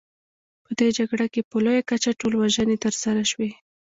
په دې جګړه کې په لویه کچه ټولوژنې ترسره شوې.